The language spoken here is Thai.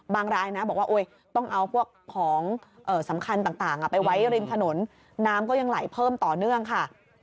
รายนะบอกว่าต้องเอาพวกของสำคัญต่างไปไว้ริมถนนน้ำก็ยังไหลเพิ่มต่อเนื่องค่ะ